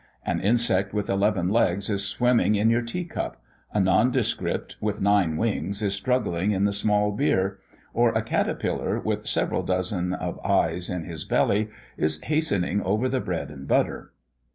An insect with eleven legs is swimming in your tea cup; a nondescript, with nine wings, is struggling in the small beer; or a caterpillar, with several dozen of eyes in his belly, is hastening over the bread and butter.